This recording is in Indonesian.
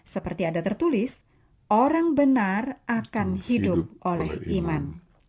seperti ada tertulis orang benar akan hidup oleh iman